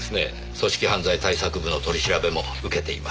組織犯罪対策部の取り調べも受けています。